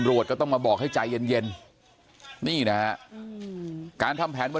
แค้นเหล็กเอาไว้บอกว่ากะจะฟาดลูกชายให้ตายเลยนะ